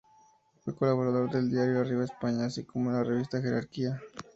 Fue colaborador del diario "Arriba España", así como de la revista "Jerarquía".